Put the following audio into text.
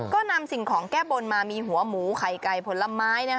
ก็นำสิ่งของแก้บนมามีหัวหมูไข่ไก่ผลไม้